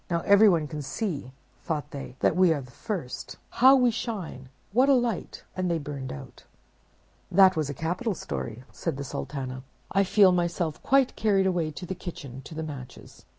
'Now everyone can see,' thought they, 'that we are the first. How we shine! what a light!'—and they burned out." "That was a capital story," said the Sultana. "I feel myself quite carried away to the kitchen, to the Matches.